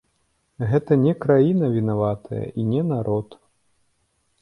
Гэта не краіна вінаватая, і не народ.